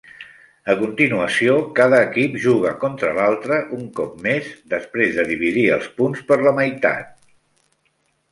A continuació, cada equip juga contra l'altre un cop més després dividir els punts per la meitat.